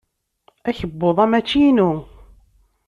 Akebbuḍ-a mačči inu.